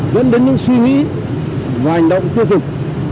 dẫn đến những suy nghĩ và hành động tiêu cực